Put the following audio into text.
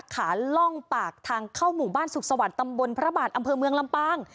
ขาล่องปากทางเข้าหมู่บ้านสุขสวรรค์ตำบลพระบาทอำเภอเมืองลำปาง